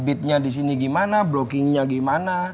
beatnya disini gimana blockingnya gimana